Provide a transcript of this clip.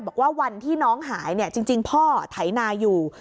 บอกว่าวันที่น้องหายเนี่ยจริงพ่อไถนาอยู่